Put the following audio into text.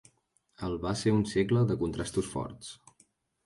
El va ser un segle de contrastos forts.